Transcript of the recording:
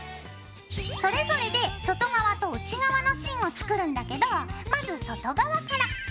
それぞれで外側と内側の芯を作るんだけどまず外側から。